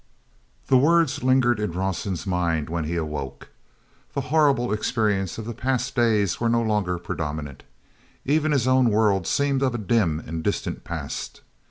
The words lingered in Rawson's mind when he awoke. The horrible experience of the past days were no longer predominant. Even his own world seemed of a dim and distant past.